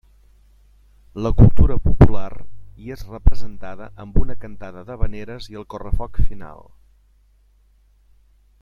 La cultura popular hi és representada amb una cantada d’havaneres i el correfoc final.